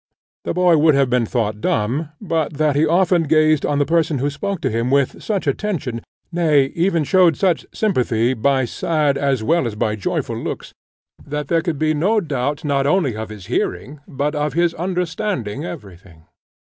The boy would have been thought dumb, but that he often gazed on the person who spoke to him with such attention, nay even showed such sympathy by sad as well as by joyful looks, that there could be no doubt not only of his hearing, but of his understanding, every thing.